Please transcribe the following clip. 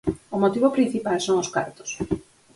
O motivo principal son os cartos.